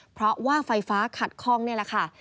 เพราะว่าไฟฟ้าขัดคล่องนี่แหละค่ะ